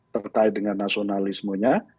terkait dengan nasionalismenya